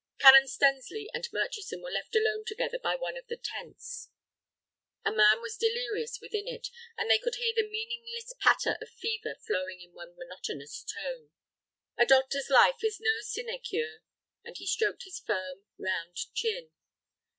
Canon Stensly and Murchison were left alone together by one of the tents. A man was delirious within it, and they could hear the meaningless patter of fever flowing in one monotonous tone. "A doctor's life is no sinecure," and he stroked his firm round chin.